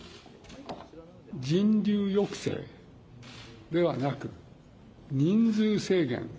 人流抑制ではなく、人数制限。